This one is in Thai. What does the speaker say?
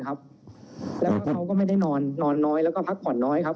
แล้วก็เขาก็ไม่ได้นอนนอนน้อยแล้วก็พักผ่อนน้อยครับ